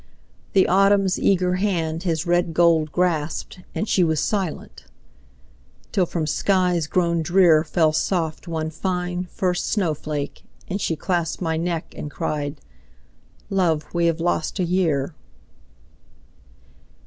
The Autumn's eager hand his red gold grasped, And she was silent; till from skies grown drearFell soft one fine, first snow flake, and she claspedMy neck and cried, "Love, we have lost a year!"